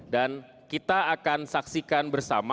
dan kita akan saksikan bersama